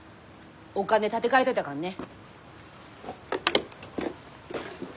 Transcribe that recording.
お金立て替えといたからね。